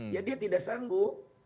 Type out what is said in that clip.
ya dia tidak sanggup